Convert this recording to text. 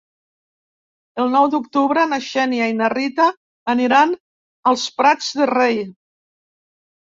El nou d'octubre na Xènia i na Rita aniran als Prats de Rei.